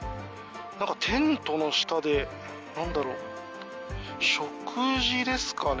なんかテントの下で、なんだろう、食事ですかね。